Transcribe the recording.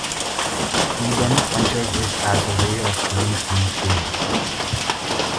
He then punches it as a way of "killing" Slim Shady.